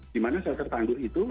dimana shelter tangguh itu